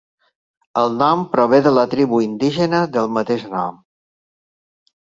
El nom prové de la tribu indígena del mateix nom.